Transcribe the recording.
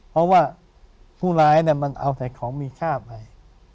เพราะว่าผู้ร้ายมันเอาแต่ของมีค่าไป